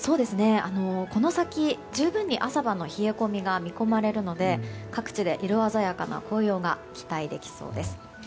この先、十分に朝晩の冷え込みが見込まれるので各地で色鮮やかな紅葉が期待できそうです。